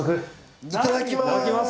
いただきます。